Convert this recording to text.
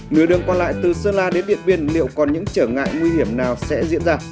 nửa đường còn lại từ sơn la đến điện biên liệu còn những trở ngại nguy hiểm nào sẽ diễn ra